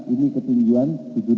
ini ketinggian tujuh ribu lima ratus